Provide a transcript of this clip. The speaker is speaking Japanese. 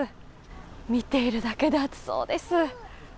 見ているだけで暑そうです。